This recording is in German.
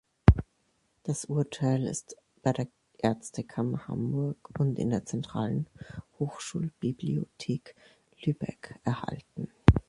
Das Urteil ist bei der Ärztekammer Hamburg und in der Zentralen Hochschulbibliothek Lübeck erhalten.